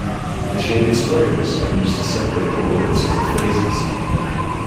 The shaded squares are used to separate the words or phrases.